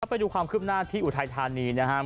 ไปดูความคืบหน้าที่อุทัยธานีนะครับ